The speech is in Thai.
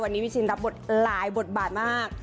วันนี้พี่ชินรับบทหลายบทบาทมาก